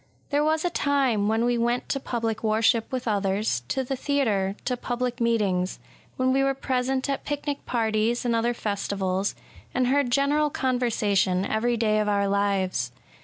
There was a time when we went to public worship with others, — to the theatre, — to public meetings ; when we were present at picnic parties and other festivals, and heard general conversation every day of our lives.